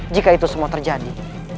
jika itu semua terjadi